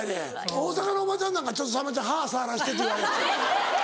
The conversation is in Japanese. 大阪のおばちゃんなんか「ちょっとさんまちゃん歯触らせて」って。